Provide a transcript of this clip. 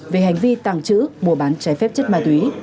về hành vi tàng trữ mua bán trái phép chất ma túy